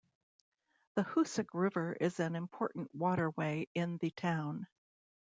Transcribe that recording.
The Hoosic River is an important waterway in the town.